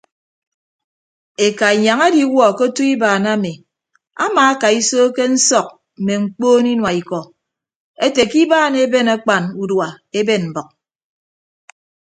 Eka inyañ ediwuọ ke otu ibaan ami amaakaiso ke nsọk mme mkpoon inua ikọ ete ke ibaan eben akpan udua eben mbʌk.